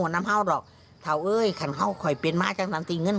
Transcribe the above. คิดพี่คะเขาข่อยเป็นยังไงล่ะ